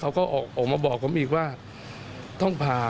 เขาก็ออกมาบอกผมอีกว่าต้องผ่า